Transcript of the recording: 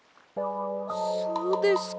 そうですか。